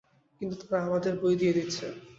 কিন্তু তারা আমাদের বই দিয়ে দিচ্ছে।